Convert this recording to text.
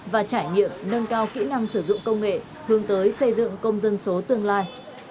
và trải nghiệm nâng cao kỹ năng sử dụng công nghệ hướng tới xây dựng công dân số tương lai